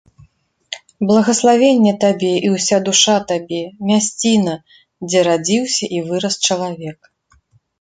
Благаславенне табе і ўся душа табе, мясціна, дзе радзіўся і вырас чалавек.